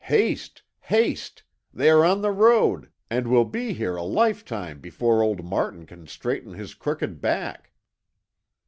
Haste haste! They are on the road, and will be here a lifetime before old Martin can straighten his crooked back!"